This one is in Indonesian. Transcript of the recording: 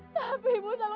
maafkan ibu nak